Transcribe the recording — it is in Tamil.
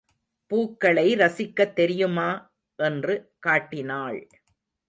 பூக்களை ரசிக்கத் தெரியுமா? என்று காட்டினாள்.